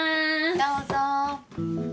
どうぞ。